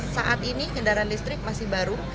saat ini kendaraan listrik masih baru